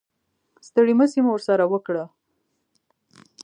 ستړې مسې مو ورسره وکړه.